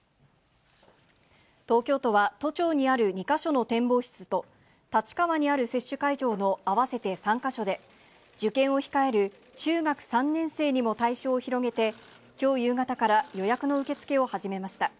東京都は、都庁にある２か所の展望室と、立川にある接種会場の合わせて３か所で、受験を控える中学３年生にも対象を広げて、きょう夕方から予約の受け付けを始めました。